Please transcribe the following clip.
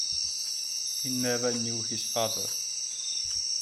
He never knew his father.